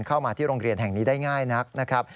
เข้ามาที่โรงเรียนแห่งนี้ได้ง่ายนักนะครับ